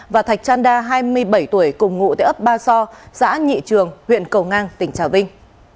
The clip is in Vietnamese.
và thạch chan đa hai mươi bảy tuổi cùng ngụ tại ấp ba so xã nhị trường huyện cầu ngang tỉnh trà vinh